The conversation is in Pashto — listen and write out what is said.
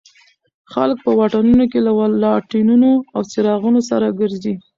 خلک په واټونو کې له لاټېنونو او څراغونو سره ګرځي.